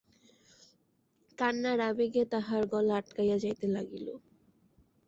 কান্নাব আবেগে তাহার গলা আটকাইয়া যাইতে লাগিল।